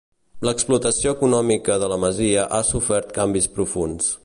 L'explotació econòmica de la masia ha sofert canvis profunds.